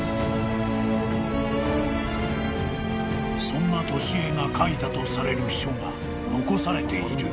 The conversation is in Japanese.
［そんな年恵が書いたとされる書が残されている］